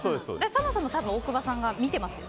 そもそもおおくばさんが見てますよ。